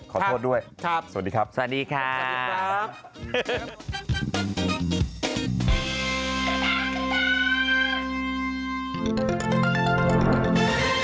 ขอโทษด้วยสวัสดีครับ